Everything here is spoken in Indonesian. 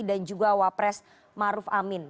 dan juga wapres maruf amin